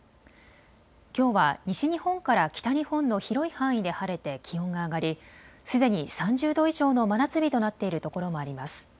きょうは西日本から北日本の広い範囲で晴れて気温が上がりすでに３０度以上の真夏日となっているところもあります。